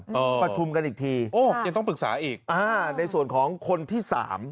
ประชุมกันอีกทีโอ้ยังต้องปรึกษาอีกอ่าในส่วนของคนที่สาม